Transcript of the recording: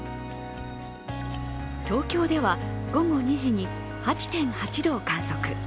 東京では、午後２時に８．８度を観測。